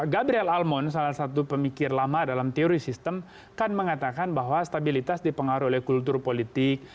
gabriel almond salah satu pemikir lama dalam teori sistem kan mengatakan bahwa stabilitas dipengaruhi oleh kultur politik